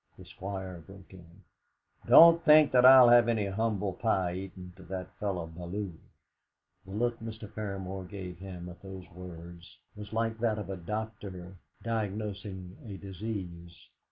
The Squire broke in: "Don't think that I'll have any humble pie eaten to that fellow Bellew!" The look Mr. Paramor gave him at those words, was like that of a doctor diagnosing a disease.